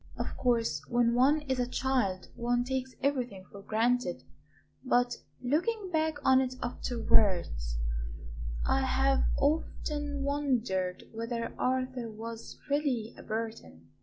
Of course, when one is a child one takes everything for granted; but looking back on it afterwards I have often wondered whether Arthur was really a Burton."